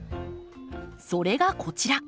それがこちら。